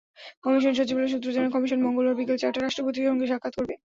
Commission সচিবালয় সূত্র জানায়, কমিশন মঙ্গলবার বিকেল চারটায় রাষ্ট্রপতির সঙ্গে সাক্ষাত্ করবে।